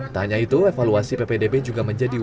tak hanya itu evaluasi bpdb juga menjadi wajib